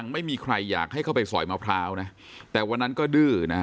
ไม่มีใครอยากให้เข้าไปสอยมะพร้าวนะแต่วันนั้นก็ดื้อนะฮะ